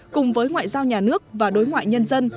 cùng với ngoại giao nhà nước và đối ngoại nhân dân